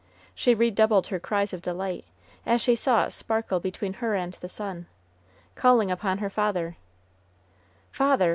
She redoubled her cries of delight, as she saw it sparkle between her and the sun, calling upon her father. "Father!